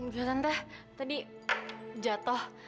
ya tante tadi jatuh